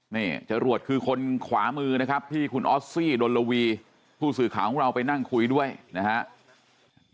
นี่จรวดคือคนขวามือนะครับที่คุณออสซี่ดนลวีผู้สื่อข่าวของเราไปนั่งคุยด้วยนะครับ